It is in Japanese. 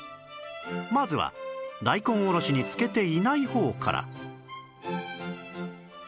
まずは大根おろしに漬けていない方から